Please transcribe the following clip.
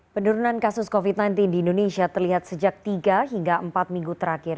penurunan kasus covid sembilan belas di indonesia terlihat sejak tiga hingga empat minggu terakhir